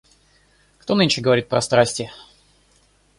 Кто нынче говорит про страсти?